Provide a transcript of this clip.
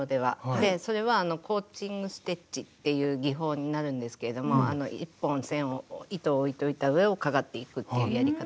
でそれはコーチング・ステッチっていう技法になるんですけれどもあの１本線を糸を置いといた上をかがっていくっていうやり方。